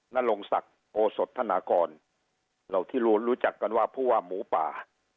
นรงศักดิ์โอสธนากรเราที่รู้จักกันว่าผู้ว่าหมูป่า